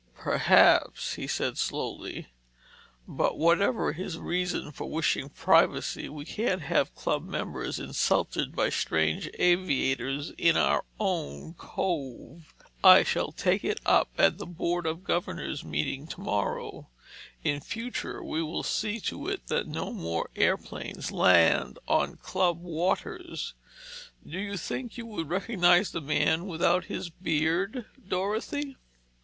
"Perhaps," he said slowly. "But whatever his reason for wishing privacy, we can't have club members insulted by strange aviators in our own cove. I shall take it up at the board of governors' meeting tomorrow. In future we will see to it that no more airplanes land on club waters. Do you think you would recognize the man without his beard, Dorothy?"